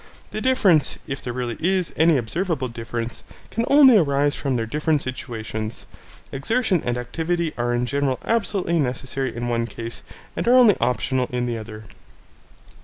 The difference, if there really is any observable difference, can only arise from their different situations. Exertion and activity are in general absolutely necessary in one case and are only optional in the other.